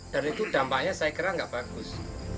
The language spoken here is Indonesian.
dan itu dampaknya saya kira nggak bagus